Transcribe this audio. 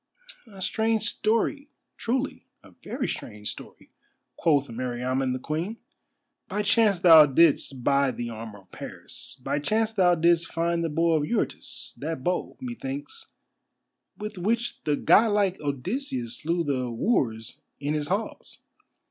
"A strange story, truly—a very strange story," quoth Meriamun the Queen. "By chance thou didst buy the armour of Paris, by chance thou didst find the bow of Eurytus, that bow, methinks, with which the god like Odysseus slew the wooers in his halls.